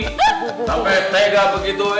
sampai tega begitu